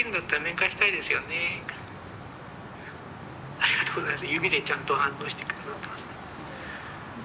ありがとうございます。